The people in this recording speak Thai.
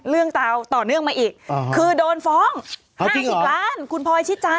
เรื่องราวต่อเนื่องมาอีกคือโดนฟ้อง๕๐ล้านคุณพลอยชิดจา